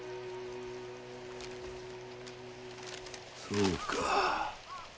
そうか。